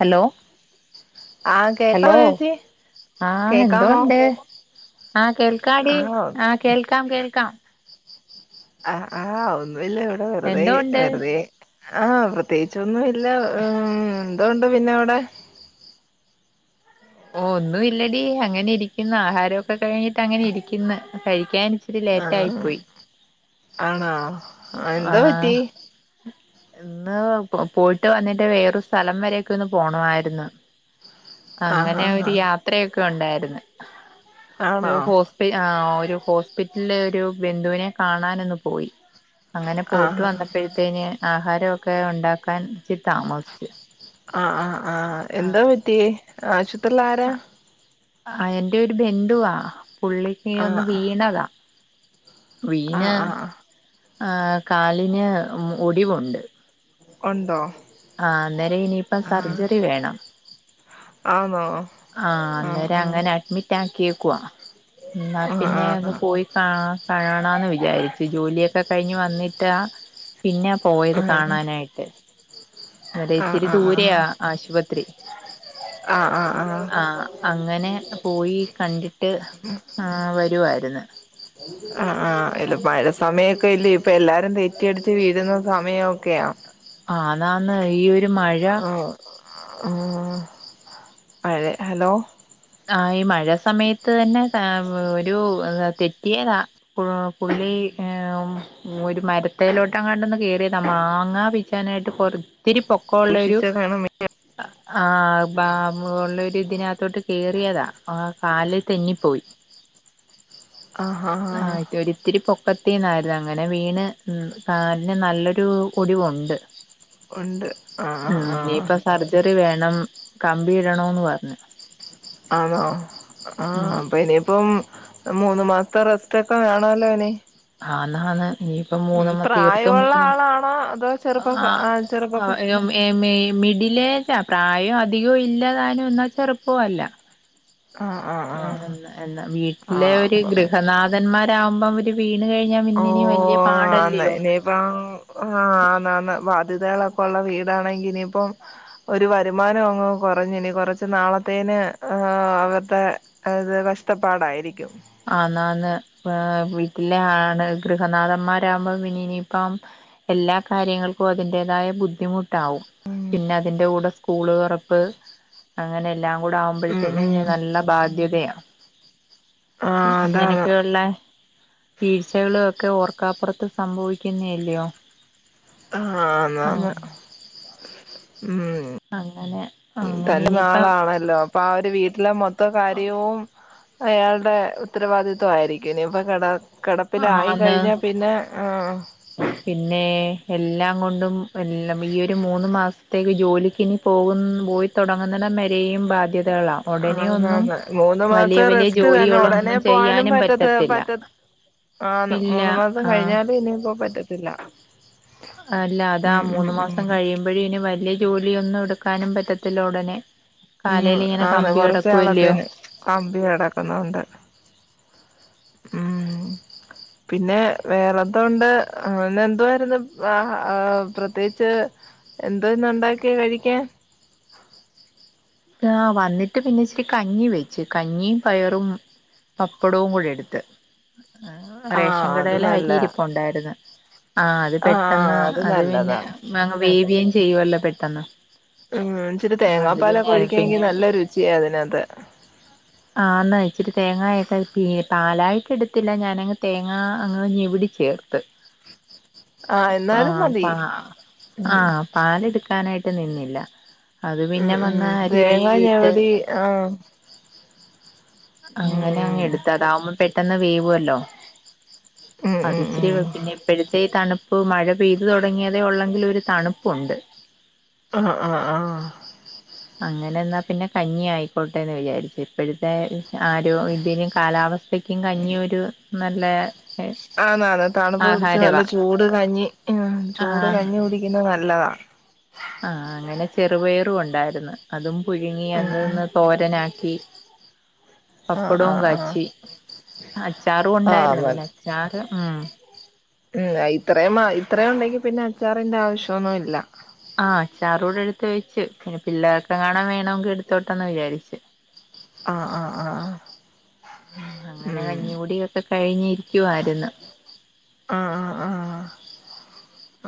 Hello ആഹ് കേക്കാവോ hello ചേച്ചി ആഹ് കേക്കാമോ എന്തോണ്ട് ആഹ് കേൾക്കാടീ ആഹ് കേൾക്കാം കേൾക്കാം ആ ആ [unintelligible] [unintelligible] ഇല്ല ഇവിടെ വെറുതേ എന്തോണ്ട് വെറുതേ ആ പ്രത്യേകിച്ചൊന്നു ഇ ല്ല ഉം എന്തോണ്ട് പിന്നവടെ ഒന്നും ഇല്ലടീ അങ്ങനെ ഇരിക്കുന്ന് ആഹാരവൊക്കെ കഴിഞ്ഞിട്ട് അങ്ങനെ ഇരിക്കുന്ന് കഴിക്കാൻ ഇച്ചിരി ലേറ്റ് ആയി പോയി ആണാ ആ എന്താ ആഹ് പറ്റീ ഇന്ന് പൊ പോയിട്ട് വന്നിട്ട് വേറൊ സ്ഥലം വരെക്കെ ഒന്ന് പോണവായിരുന്ന്. ആഹ് അങ്ങനെ ആഹ് ഒരു യാത്രയൊക് ഒണ്ടാര്ന്ന് ആഹ് ആണോ ഒരു ഹോസ്പി ആ ഒരു ഹോസ്പിറ്റല്ല് ഒരു ബന്ധുവിനെ കാണാൻ ഒന്നു പോയി. അങ്ങനെ പോയിട്ട് ആഹ് വന്നപ്പഴ്‌ത്തേന് ആഹാരവൊക്കെ ഉണ്ടാക്കാൻ ചി താമസ്ച്ചു ആ എന്താ പറ്റി ആശു ത്രിലാരാ ആ എന്റെ ഒരു ബന്ധുവാ പുള്ളിക്ക് ഒന്ന് ആഹ് വീണതാ. വീണ് ആഹ് ആഹ് ആ കാലിന് ഒടിവുണ്ട്. ഒണ്ടോ? ആ അന്നേര ഇനിപ്പം സർജറി വേണം ആന്നോ ആ ആഹ് അന്നേരം അങ്ങനെ അഡ്മിറ്റ് ആ ക്കിയേക്കുവാ. ന്നാ ആഹ് പിന്നെ ആഹ് ഒന്ന് പോയി കാ കാണണാന്ന് വിചാ വിചാരിച്ച്. ജോലിയൊക്കെ കഴിഞ്ഞ് വന്നിട്ടാ പിന്നെ പോയത് ആഹ് കാണാനായിട്ട് അതെ ആഹ് ആഹ് ഇത്തിരി ദൂരെയാ ആഹ് ആശുപത്രി ആഹ് ആഹ് ആഹ് ആ അങ്ങനെ പോയി കണ്ടിട്ട് ആ വരുവാരുന്ന് ആ ആ അല്ല മഴ സമയൊക്കെ ഇലേ ഇപ്പ എല്ലാരും തെറ്റിയടിച്ച് വീഴുന്ന സമയവൊക്കെയാ ആതാന്ന് ഈ ഒരു മഴ ആ ആ അതേ ഹലോ ആ ഈ മഴ സമയത്ത് തന്നെ ഒരു തെറ്റിയതാ പുലി ഒരു മരത്തലോട്ടങ്ങാണ്ടൊന്ന് കേറീതാ മാങ്ങാ പിച്ചാനായിട്ട് കൊറ ഒത്തിരി പൊക്കൊള്ളോരു സൂക്ഷിച്ച് വേണം ആ ബ ഒള്ളൊരു ഇതിനത്തോട്ട് കേറിയതാ ആ കാല് തെന്നി പോയി ആ ആ ആ ആഹ്ഒര് ഇത്തിരിപ്പോ ക്കത്തീന്നാരുന്നു അങ്ങനെ വീണ് മ്മ് കാലിന് നല്ലൊരു ഒടിവൊണ്ട് ഉണ്ട് ആഹ് ആഹ് ആഹ് ണം കമ്പി ഇടണന്ന് പറഞ്ഞ് ആണോ ആ അപ്പ ഇനിയിപ്പം മൂന്നു മാസത്തെ റെസ്റ്റ് ഒക്കെ വേണല്ലോ ഇനി ആന്നാണ് ഉം പ്രായമുള്ള ആളാണോ അതോ ചെറുപ്പൊക്കെ ആ ചെറുപ്പൊക്കെ ആഹ് മിഡിലേജാ പ്രായവും അധികവും ഇല്ലതാനും എന്നാ ചെറുപ്പല്ല ആ ആ ആ ആണല്ലേ എന്നാ ആ വീട്ടിലെ ഒരു അപ്പൊ പിന്നെ ഗൃഹനാഥന്മാർ ആകുമ്പം ഒരു വീ ഓ ആന്നെ ഇനിയിപ്പം ആന്ന് ആന്ന് ബാധ്യതകള ഒള്ള വീടാണെങ്കിൽ ഇനിപ്പം ഒരു വരുമാനം അങ്ങ് കുറഞ്ഞു ഇനി കുറച്ച് നാളത്തേന് അവരുടെത് കഷ്ടപ്പാടായിരിക്കും ആ നാന് ആ വീട്ടിലെ ആണ് ഗൃഹനാഥന്മാരാകുമ്പോൾ ഇനി ഇനിയിപ്പം എല്ലാ കാര്യങ്ങൾക്കും അതിന്റേതായ ബുദ്ധിമുട്ട് വും പിന്നെ അതിന്റെ കൂടെ സ്കൂളുകൾ റപ്പ് അങ്ങനെ ഉം ഉം കൂടാവുമ്പഴത്തേനും നല്ല ബാധ്യതയാ ആ അതാണ് ഇങ്ങനൊക്കെയൊള്ള വീഴ്ചകളൊക്കെ ഓർക്കാപ്പുറത്ത് സംഭവിക്കുന്നല്ലയോ ആ ആഹ് ആന്നാന്ന് ഉം അങ്ങനെ അങ്ങനെ തന്റെ ഇനിയിപ്പം നാളാണല്ലോ അപ്പൊ ആവൊര് വീട്ടിലെ മൊത്ത കാര്യവും അയാളുടെ ഉത്തരവാദിത്വം ആയിരിക്കും ഇനി ഇപ്പൊ കട കിടപ്പിലായി ആന്ന് കഴിഞ്ഞ പിന്നെ ആ പിന്നെ എല്ലാം കൊണ്ടും ഈ ഒരു മൂന്ന് മാസത്തേക്ക് ജോലിക്കിനി പോവു പോയിത്തുടങ്ങുന്നിടംവരെയും ബാധ്യത ആന്നാന്ന് മൂന്ന് വലിയ മാസം വലിയ റെസ്റ്റ് തന്നെ ഉടനെ ജോലികളൊന്നും പോകാനും ചെയ്യാനും പറ്റത് പറ്റത്തില്ല പറ്റ ആന്ന് ഇല്ല മൂന്ന് മാസം ആഹ് കഴിഞ്ഞാലും ഇനിപ്പോ പറ്റത്ത അല്ല അതാ ഉം ഉം മൂന്ന ഉം മാസം കഴിയുമ്പോഴേ വലിയ ജോലിയൊന്നും എടുക്കാനും പറ്റത്തില്ല ഉടനെ ഉം കാലേൽ ഇങ്ങനെ ആന്ന് കമ്പി കിടക്കുവല്ലയോ കൊറച്ചാളത്തേന് കമ്പി കിടക്കുന്നണ്ട് ഉം പിന്നെ വേറെന്തോണ്ട് എന്തോയിരുന്നു പ്രത്യേകിച്ച് എന്തോ ഇന്ന് ഉണ്ടാക്കി കഴിക്കാൻ ആ വന്നിട്ട് പിന്നെ ഇച്ചരി കഞ്ഞി വെച്ചു കഞ്ഞിയും പയറും പപ്പടവും കൂടി എടുത്ത് ആ ആഹ് റേഷൻ അത് കടയിലെ അരി നല്ലയാ ഇരിപ്പുണ്ടായിരുന്ന് ആ അത് പെട്ടെന്ന് ആഹ് അത് പിന്നെ നല്ലതാ വേവിയൻ ചെയ്യുവല്ല പെട്ടെന്ന് ആ ഇച്ചിരി ആഹ് അത് തേങ്ങാപ്പാല പിന്നെ ഒഴിക്കാങ്കി പിന്നെ നല്ല രുചിയ അതിനകത്ത് ആ എന്നാ ഇച്ചിരി തേങ്ങയക്കെ പി പാലായിട്ട് എടുത്തില്ല ഞാനങ്ങ് തേങ്ങ അങ്ങ് ഞെവിടി ചേർത്ത് ആഹ് ആ എന്നാലും മതി പ ആ ഉം പാലെടുക്കാനായിട്ട് ഇട്ട് നിന്നില്ല അത് ഉം പിന്നെ ഉം വന്ന് അരി തേങ്ങ കഴുകിയിട്ട് ഞെവടി ആ അങ്ങനെ അങ്ങ് എടുത്ത് അതാവുമ്പോ പെട്ടെന്ന് വേവുവല്ലോ ഉം അത് ഉം ഇച്ചിരി ഉം പിന്നെ ഇപ്പോഴത്തെ തണുപ്പ് ഇപ്പൊ മഴ പെയ്തു തുടങ്ങിയതേ ഉള്ളങ്കിൽ ഒരു തണുപ്പുണ്ട് ആ ആ ആ അങ്ങനെ എന്നാ പിന്നെ കഞ്ഞി ആയിക്കോട്ടെന്ന് വിചാരിച്ചു ഇപ്പോഴത്തെ ഇ ആരോ ഇതിൻ കാലാവസ്ഥക്കും കഞ്ഞിയൊരു നല്ലെ ആന്നാന്ന് തണുപ്പ് പിടിച്ച് നല്ല ചൂട് കഞ്ഞി ചൂട് ആഹ് കഞ്ഞി കുടിക്കുന്നത് നല്ല ല്ലതാ ആഹ് അങ്ങനെ ചെറുപയറും ഉണ്ടായിരുന്നു അതും പുഴുങ്ങി ഉം അത് ഉം ഒന്ന് തോരനാ - ക്കി ആഹ് പപ്പടവും ആഹ് ആഹ് കാച്ചി അച്ചാറും ആഹ് ഉണ്ടായിരുന്നു പിന്നെ മതി അച്ചാറ് ഉം ഉം ഇത്രയും ഇത്ര ഉണ്ടെങ്കി പിന്നെ അച്ചാറിന്റെ ആവശ്യന്നും ഇല്ല ആ അച്ചാറൂടെ എടുത്ത് വെച്ചു പിന്നെ പിള്ളേർക്കെ എങ്ങാനും വേണമെങ്കിൽ എടുത്തോട്ടന്ന് വിചാരിച്ചു ആ ആ ആ മ് കഴിഞ്ഞിരിക്കുവമായിരുന്നു ആ ആ ആ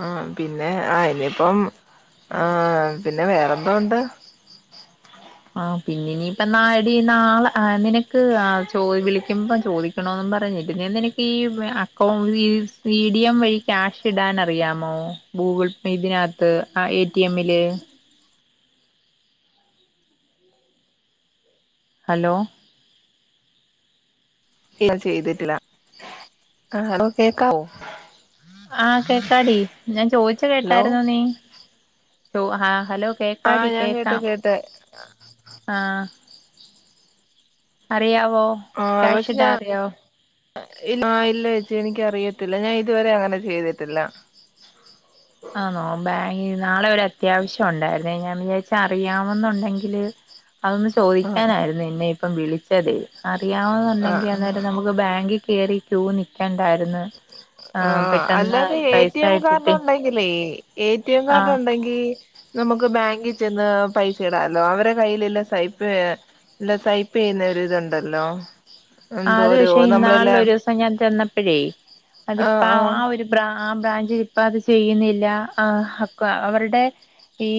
ആ പിന്നെ ആ ഇനിയിപ്പം ആ പിന്നെ വേറെന്തോ ഉണ്ട് ആ പിന്നെ ഇനിയിപ്പ നാടി നാളെ നിനക്ക് ചോ വിളിക്കുമ്പ ചോദിക്കണോന്നും പറഞ്ഞിട്ടീ നിനക്ക് ഈ അക്കൗ സി ടി എം വഴി ക്യാഷ് ഇടാൻ അറിയാമോ ഗൂഗിൾ പേ ഇതിനകത്ത് എടിഎമ്മില് ഹലോ ല്ല ചെയ്തിട്ടില്ല ആ അതോ കേക്കാവോ ആ കേകാടി ഞാൻ ചോയിച്ച ഹലോ കേട്ടായിരുന്നോ നീ ത്തോ ആ ഹലോ ആഹ് കേക്കാടി ഞാൻ കേട്ട് കേക്കാം കേട്ട് ആ അറിയാം ആ പക്ഷെ ഞാൻ ആ ഇല്ല ച്ചി എനിക്കറിയ ത്തില്ല ഞാൻ ഇതുവരെ അങ്ങനെ ചെയ്തിട്ടില്ല ആണോ ബാ ഇ നാളെ ഒരു അത്യാവശ്യം ഉണ്ടായിരുന്നേ ഞാൻ വിചാരിച്ച അറിയാമെന്നുണ്ടെങ്കില് അതൊന്ന് ആഹ് ചോദിക്കാനായിരുന്നു എന്നെ ഇപ്പം വിളിച്ചതെ ആ അറിയമെന്നുണ്ടെങ്കൽ ആഹ് അതെരം ആഹ് നമുക്ക് ബാങ്കിൽ കേയറി യൂ നിക്കണ്ടായിരുന്നു ആ ആഹ് പെട്ടെന്ന് പൈസ ഇട്ടിട്ട് അല്ലേ എടി എം കാർഡ ആ ഉണ്ടെങ്കിൽ നമുക്ക് ബാങ്കിൽ ചെന്ന് പൈസ ഇടാല്ലോ അവരെടെ കയ്യിൽല്ല സൈപ്പ്ല്ല സൈപ്പ് ചെയ്യുന്നൊ ഇതുണ്ടല്ലോ ആഹ് അത് എന്തോരോ പക്ഷേ ഇന്നാളില് നമ്മളെല്ലാം ഒരീസം ഞാൻ ചെന്നപ്പോ ഴെ ആഹ് അതിപ്പോ ആഹ് ആ ഒരു ബ്രാ ആ ബ്രാഞ്ചി ഇപ്പൊ അത് ചെയ്യുന്നില്ല. ആഹ് അക്വാ അവരുടെ ഈ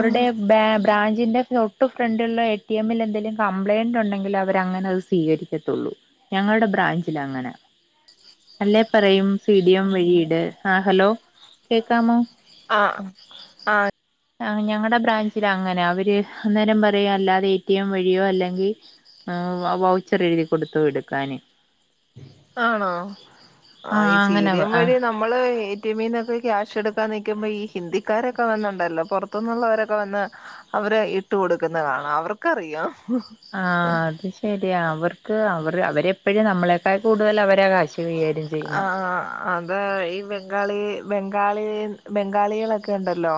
ആഹ് ബാ ബ ബ്രാഞ്ചിന്റെ തൊട്ടു ഫ്രണ്ടിലുള്ള എ ടി എമ്മിൽ എന്തെലും കംപ്ലയിന്റ് ഉണ്ടെങ്കിൽ അവര ങ്ങനെ അത് സ്വീകരിക്കും ക്കത്തൂള്ളൂ ഞങ്ങൾടെ ബ്രാഞ്ചിലങ്ങനെ അല്ലേ പറയും സിഡി എം വഴിയിട് ആ ഹലോ കേക്കാമോ ആഹ് ആ ആഹ് ആ ഞങ്ങടെ ബ്രാഞ്ചിലങ്ങന അവര് അന്നേരം പറയാ അല്ലാതെ എടി എം വഴിയോ അല്ലെങ്കി വ ച്ചെരെഴുതി കൊടുത്തു ഇട്ക്കാന് ആണോ ആ ഈ അങ്ങനെ സീഡിയം ആ വഴി നമ്മള് ടി മ്മ്ന്നൊക്കെ ക്യാഷ് എടുക്കാൻ നിക്കുമ്പോ ഈ ഹിന്ദിക്കാരൊക്കെ വന്നുണ്ടല്ലോ പൊർത്തുനിന്നുള്ളവരൊക്കെ വന്ന് അവരെ ഇട്ട് കൊടുക്കുന്ന കാണാം അവർക്കറിയാ ആ അത് ശെരിയാ അവർക്ക് അവർ അവരെപ്പഴും നമ്മളെ [unintelligible] കൂടുതൽ അവരാ കാ ഷ് കൈകാര്യം ചെയ്യുന്നെ ആ അത് ഈ ബംഗാളി ബംഗാളി ബംഗാളികളൊക്കെ ണ്ടല്ലോ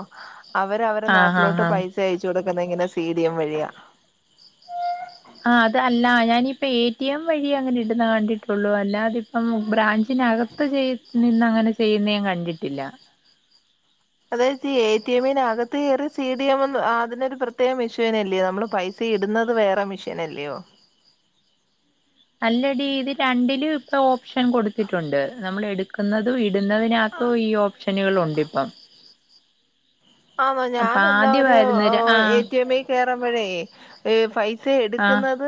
അവര് അവരെ ആഹ് ആഹ് നാട്ടിലോട്ട് ആഹ് പൈസയച്ച് കൊട് പ്പ തെങ്ങനെ സീഡിയം വഴിയാ ആഹ് അത് അല്ല ഞാനിപ്പോ എ ടിഎം വഴി അങ്ങനെ ഇടുന്ന കണ്ടിട്ടുള്ളൂ അല്ല അതിപ്പം ബ്രാഞ്ച് ത്തിന് അകത്ത് ചെയ് നിന്നങ്ങനെ ചെയ്യുന്ന ഞാൻ കണ്ടിട്ടില്ല അതായത് എടിഎമ്മിനകത്ത് കയറി സിഡിഎം അതിനൊരു പ്രത്യേക മെഷീനല്ലയോ നമ്മള് പൈസ ഇടുന്നത് വേറെ മെഷീനല്ലയോ അല്ലടി ഇത് രണ്ടിലും ഇപ്പൊ ഓപ്ഷൻ കൊടുത്തിട്ടുണ്ട് നമ്മൾ എടുക്കുന്നതും ഇ ആ ഇടുന്നതിനകത്തും ഈ ഓപ്ഷനുകളുണ്ട് ഇപ്പം ആന്നോ അപ്പൊ ഞാൻ എന്നാ ഒരു ആദ്യമായിരുന്നൊരു ആഹ് എടി എം ക്കുമ്പഴെ [unintelligible] സ് ആഹ് എടുക്കുന്നത്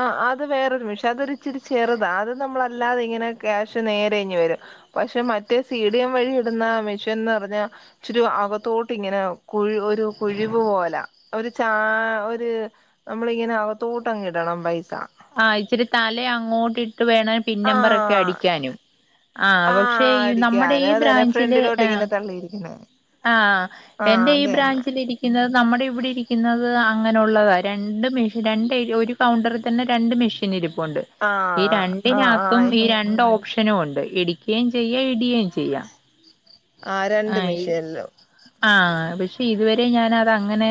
ആഹ് അത് വേറൊരു മെഷൻ അതൊരിച്ചിരി ചെറുതാ അത് നമ്മളല്ലാതെ ഇങ്ങനെ ക്യാഷ് നേരെങ്ങ് വരും പക്ഷെ മറ്റേ സി ഡി എം വഴി ഇടുന്ന മെഷീൻന്ന് പറഞ്ഞാൽ ഇച്ചിരി അകത്തോട്ട ട്ട് ഇങ്ങനെ കുഴ ഒരു കുഴിവ് പോലെ ഒരു ച ഒരു നമ്മളിങ്ങനെ ആ തോട്ടംങ്ങ ഇടണം പൈസ ആഹ് ഇച്ചിരി തലേ അങ്ങോട്ടിട്ട് വേണ പിൻ നമ്പർൊക്കെ ആഹ് അടിക്കാനും ആ പക്ഷെ ആഹ് നമ്മുടെ അടിക്കാന് ഈ അതന്നെ ബ്രാഞ്ചില് ഫ്രണ്ടിലോട്ട് ആഹ് ഇങ്ങനെ തള്ളിയിരിക്കുന്നെ ആഹ് ആഹ് എന്റെ ഈ അതന്നെ ബ്രാഞ്ചിലിരിക്കുന്ന നമ്മുടെ ഇവിടെ ഇരിക്കുന്നത് അങ്ങനെള്ളതാണ് രണ്ട് മെഷൻ രണ്ട് ഒരു കൗണ്ടർ തന്നെ രണ്ട് മെഷീൻ ഇരി പ്പുണ്ട് ഇ ആഹ് ആഹ് രണ്ടിനകത്തും ആഹ് ഈ രണ്ട് ഒ ഓപ്ഷനും ഉണ്ട് എടിക്കുകയും ചെയ്യ ഇടയും ചെയ്യ ആഹ് രണ്ട് മിഷ്യനിൽലു ആഹ് പക്ഷെ ഇതുവരെ ഞാാന അതങ്ങനെ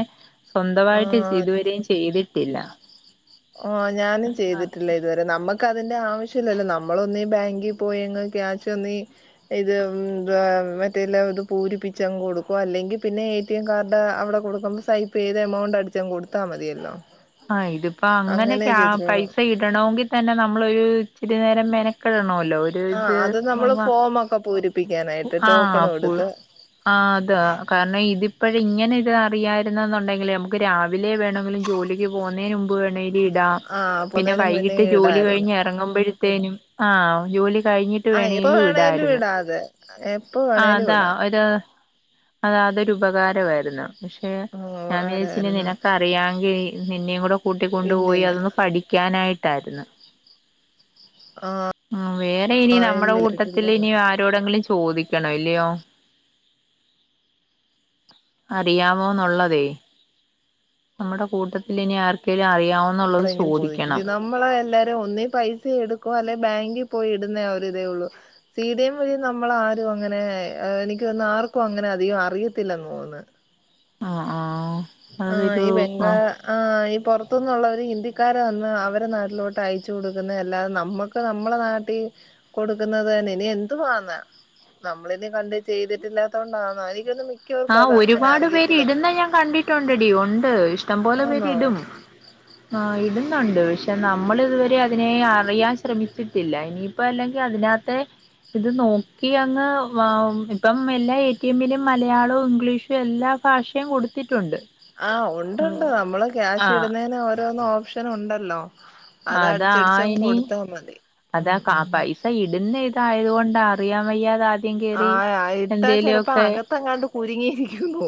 സ്വന്തമായിട്ട് ആഹ് ഇതുവരെയും ചെയ്തിട്ട് ട്ടല്ല ഞാനും ചെയ്തിട്ടില്ല ഇതുവരെ നമ്മുക്ക് അതിന്റെ ആവശ്യല്ലല്ലോനാ നമ്മളൊന്ന ബാങ്കിൽ പോയെങ്ങ് ക്യാഷ ഒന്നി ഇത് മറ്റേല്ലാം ഇത് പൂരിപ്പിച്ചങ് കൊടുക്കുവ അല്ലെങ്കിൽ പിന്നെ എ ടി എം കാർഡ് അവിടെ കൊടുക്കുമ്പോ സൈപ്പ് ചെയ്ത് എമൗണ്ട് അടിച്ചങ് കൊടുത്താൽ മതിയല്ലോ ആ ഇത് ആ അങ്ങനെ അങ്ങനെക്ക ചെയ്തിട്ടുള്ളൂ പൈസ ഇടണമെങ്കിൽ തന്നെ നമ്മളൊരു ചിരി നേരം മെനക്കെടണോ ആഹ് അത് നമ്മള് ഫോമൊക്കെ പൂരിപ്പിക്കാനായിട്ട് ആ ടോക്കണും എടുത്ത് അത്കാരണഇതി ഇപ്പോഴ ഇങ്ങനെ ഇത് അറിയായിരുന്നെന്നുണ്ടെങ്കിൽ നമുക്ക് രാവില വണമെങ്കിലും ജോലി പോവു ണ ഇടാം ആഹ് പിന്നെ അപ്പന്നേരം മുന്നേ വൈകിട്ട് ജോലി ഇടായിരുന്നു കഴിഞ് ഇറങ്ങുമ്പോഴ ആ ജോലി കഴിഞ്ഞിട്ട് ആ എപ്പ വേണേലും ഇടായിരുന്നു ഇടാതെ എപ്പ ആ വേണേലും അതാ ഇടാ ഒരു അതൊരു ഉപകാരമായിരുന്നു പക്ഷെ ആഹ് ഞാൻ വിചാര്ർന്ന് ഉപകാരായിരുന്നു നിനക്ക അറിയാങ്കിൽ നിന്നെകൂടെ കൂട്ടിക്കൊണ്ടുപോയി ഇല്ലില്ല അതൊന്ന് പഠിക്കാനായിട്ട് ട്ടായിരുന്നു ഉം വേറെ ഇനി ആഹ് നമ്മുടെ ഇല്ല ഇട്ടിട്ടില്ല കൂട്ടത്തിൽ ഇനി അങ്ങനെ ആരോടെങ്കിലും ചോ ചോദിക്കണം ഇല്ലയോ അറിയാമോന്നുള്ളതെ നമ്മുടെ കൂട്ടത്തിൽ ഇനി ആർക്കെിലും അറ ആരോടെങ്കിലും ചോദിക്ക് നമ്മള എല്ലാവാരും ഒന്നി പൈസ എടുക്കും അല്ലെ ബാങ്കിൽ പോയി ടുന്നേ ആ ഒരിതേ ഉള്ളു സിഡിയം വഴി നമ്മൾ ആരും അങ്ങനെ എനിക്ക് തോന്ന ആർക്കും അങ്ങനെ അധികം അറിയത്തില്ല നോന്ന് ആ ആ ആ ഈ അതൊരു ബംഗാ ആ ഈ പുറത്തുന്നുള്ളവര് ഹിന്ദി ആൾക്കാരെ വന്ന് അവരെ നാട്ടിലോട്ട് അയച്ചു കൊടുക്കുന്നല്ലാതെ നമ്മക്ക് നമ്മളെ നാട്ടിൽ കൊടുക്കുന്നത് തന്നെ ഇനി എന്തുവന്ന നമ്മളിന കണ്ട് ചെയ്തിട്ടില്ലാത്ത കൊണ്ടാന്ന എനിക്കൊന്നും ആ ഒരുപാട് പേര് ഇടുന്ന ഞാൻ കണ്ടിട്ടുണ്ടടി ഉണ്ട് ഇഷ്ടംപലെ പേര് ആന്നോ ഇടും ആ ഇടുന്നുണ്ട് പക്ഷെ നമ്മൾ ഇതുവരെ അതിനെ അറിയാൻ ശ്രമിച്ചിട്ടില്ല ഇനിപ്പോ അല്ലെങ്കിൽ അതിനത്ത് ഇത് നോക്കിയങ്ങ് ഇപ്പം എല്ലാ എ ടി എം ലും മലയാളം ഇംഗ്ലീഷ് എല്ലാ ഭാഷയും കൊടുത്തി ആ ഉണ്ടുണ്ട് നമ്മള് ക്യാഷ് ആഹ് ഇടുന്നേന് ഓരോന്നോ ഓപ്ഷൻ ഉണ്ടല്ലോ അത് അതാ അടിച്ചടിച്ചങ് ഇനി കൊടുത്താ മതി ഉം അതാ കാ ഉം പൈസ ഇടുന്ന പിന്നെ ഇതായതുകൊണ്ട അറിയൻ വയ്യാത ആ ആയി ഇട്ടാ ചെലപ്പോ അകത്തെങ്ങാണ്ട് ഒരുങ്ങിയിരിക്കുന്നു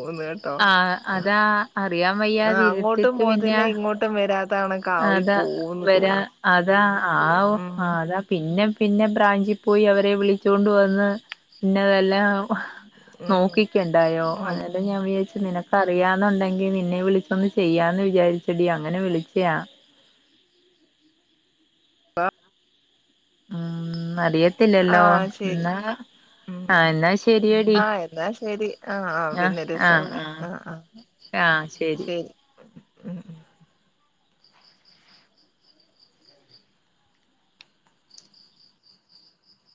ആഹ് അതാ അറിയാൻ ആഹ് അങ്ങോട്ടും വയ്യാതിരുത്തിട്ട് പിന്നെ പോകത്തില്ല ഇങ്ങോട്ടും വരാത്ത കണക്കായി അതാ പോവുന്ന് വരാ തോന്നുന്നു അതാ ആഹ് ഉം അതാ പിന്നെ പിന്നെ ബ്രാഞ്ചി പോയി അവരെ വിളിചോണ്ട് വന്ന് പിന്നെതെല്ലാം നോക്കിക്കണ്ടായോ ഉം അല്ല ഞാൻ വിചാ നിനക്കറിയാന്നുണ്ടെങ്കിൽ നിന്നെ വിളിച്ചൊന്ന് ചെയ്യാമന്ന് വിചാരിച്ചടി അങ്ങനെ വിളിച്ച- ത്യ ഉം അറിയ- ത്തില്ലല്ലോ ആഹ് ശരി എന്നാ ഉം ആ ന്നാ ശരിയടി ആഹ് എന്നാ ശരി ആഹ് ആഹ് ആ പിന്നെ ഒരു ആ ദിവസം വിളി ആ ആഹ് ആഹ് ആ ശരി ഉം